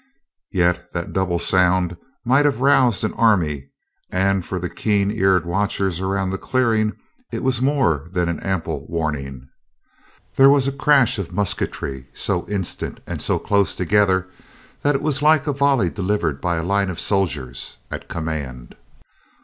Yet that double sound might have roused an army, and for the keen eared watchers around the clearing it was more than an ample warning. There was a crash of musketry so instant and so close together that it was like a volley delivered by a line of soldiers at command.